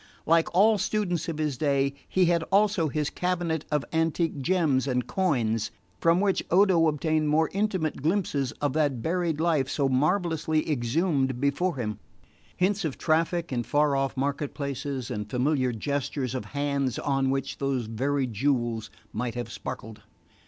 Like all students of his day he had also his cabinet of antique gems and coins, from which Odo obtained more intimate glimpses of that buried life so marvellously exhumed before him: hints of traffic in far off market places and familiar gestures of hands on which those very jewels might have sparkled.